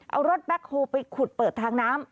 เอารถแบ็คโฮลไปขุดเปิดทางน้ำ